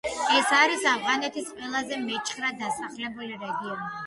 ეს არის ავღანეთის ყველაზე მეჩხერად დასახლებული რეგიონი.